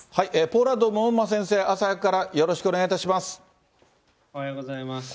ポーランドの門馬先生、朝早くからよろしくお願いいたします。